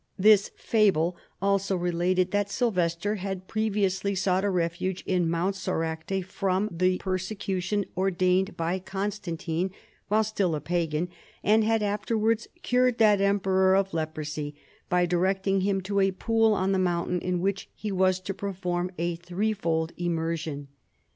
The fable also related that Sylvester had previously sought a refuge in ]\rount Soracte from the persecution ordained by Constan tino while still a Pagan, and had afterwards cured that emperor of leprosy by directing him to a pool on the mountain in which he was to perform a three fold immersion.